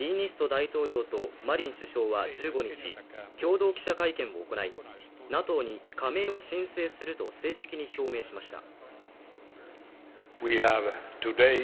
大統領とマリン首相は１５日共同記者会見を行いＮＡＴＯに加盟を申請すると正式に表明しました。